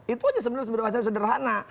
itu aja sebenarnya sederhana